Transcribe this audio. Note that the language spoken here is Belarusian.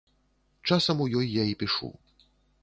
Часам у ёй я і пішу.